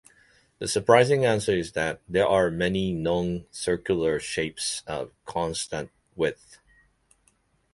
The surprising answer is that there are many non-circular shapes of constant width.